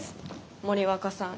森若さん